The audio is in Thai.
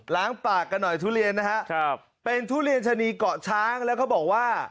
ปากกันหน่อยทุเรียนนะฮะครับเป็นทุเรียนชะนีเกาะช้างแล้วเขาบอกว่า